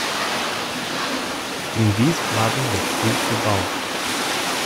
In Wiesbaden wird viel gebaut.